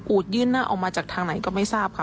ยื่นหน้าออกมาจากทางไหนก็ไม่ทราบค่ะ